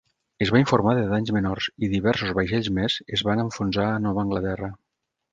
Es va informar de danys menors i diversos vaixells més es van enfonsar a Nova Anglaterra.